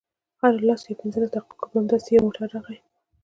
هرو لسو یا پنځلسو دقیقو کې به همداسې یو موټر راغی.